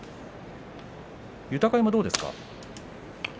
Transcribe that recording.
豊山はどうですか？